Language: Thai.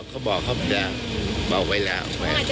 เขาบอกไปแล้ว